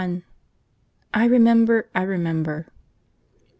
I remember, I remember.